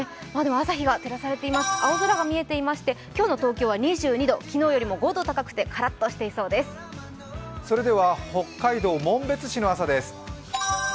朝日が照らされいます、青空が見えていまして、今日の東京は２２度、昨日よりも５度高くて北海道紋別市の朝です。